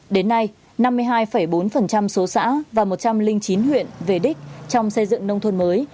đến nay năm mươi hai bốn số xã và một trăm linh chín huyện về đích trong xây dựng nông thôn mới